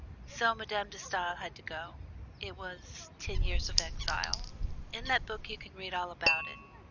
So Madame De Stael had to go it was "Ten Years of Exile." In that book you can read all about it.